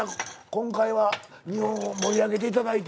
今回は日本を盛り上げていただいて。